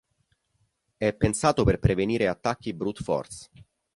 È pensato per prevenire attacchi brute force.